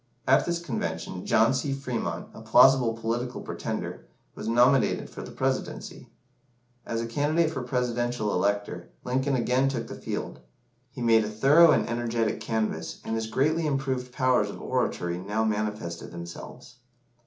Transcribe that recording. At this convention, John C. Fremont, a plausible political pretender, was nominated for the Presidency. As a candidate for Presidential elector, Lincoln again took the field. He made a thorough and energetic canvass, and his greatly improved powers of oratory now manifested themselves.